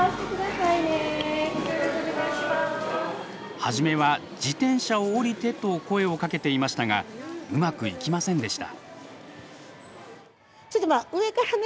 初めは「自転車を降りて」と声をかけていましたがうまくいきませんでした。